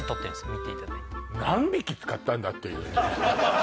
見ていただいて何匹使ったんだっていうね